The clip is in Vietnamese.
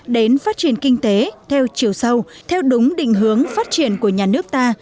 đến phát triển kinh tế theo chiều sâu theo đúng định hướng phát triển của nhà nước ta